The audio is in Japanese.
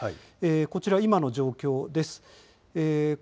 こちら今の状況です。